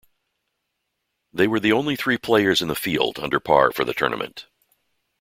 They were the only three players in the field under par for the tournament.